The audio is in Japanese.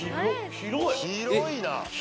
広いなぁ。